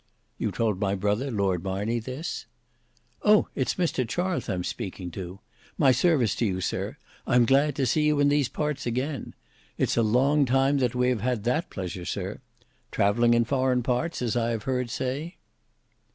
"You told my brother, Lord Marney, this?" "Oh! it's Mr Charles I'm speaking to! My service to you, sir; I'm glad to see you in these parts again. It's a long time that we have had that pleasure, sir. Travelling in foreign parts, as I have heard say?"